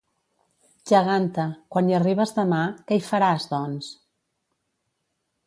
Geganta, quan hi arribes demà, què hi faràs, doncs?